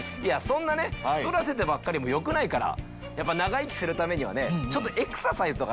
そんな太らせてばっかりもよくないからやっぱ長生きするためにはねちょっとエクササイズとかあなた。